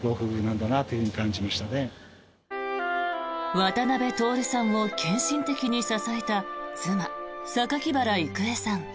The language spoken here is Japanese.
渡辺徹さんを献身的に支えた妻・榊原郁恵さん。